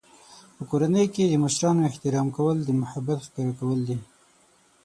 په کورنۍ کې د مشرانو احترام کول د محبت ښکاره کول دي.